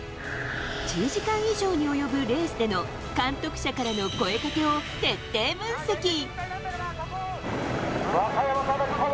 １０時間以上に及ぶレースでの監督車からの声かけを徹底分析。